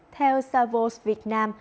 theo savos việt nam